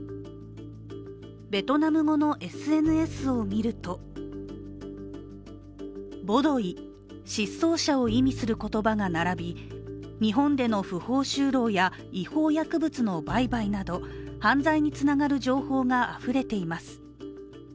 ベトナム語のＳＮＳを見るとボドイ＝失踪者を意味する言葉が並び日本での不法就労や、違法薬物の売買など犯罪につながる情報があふれています。